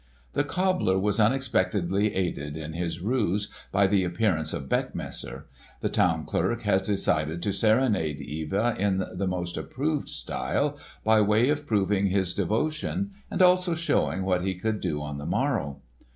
The cobbler was unexpectedly aided in his ruse by the appearance of Beckmesser. The town clerk had decided to serenade Eva in the most approved style, by way of proving his devotion and also showing what he could do on the morrow.